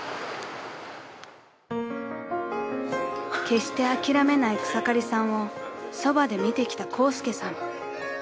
［決して諦めない草刈さんをそばで見てきたコウスケさん］